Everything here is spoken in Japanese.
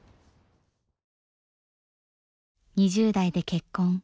２０代で結婚。